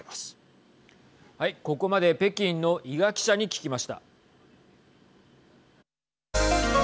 ここまで北京の伊賀記者に聞きました。